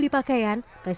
pakai sarung prap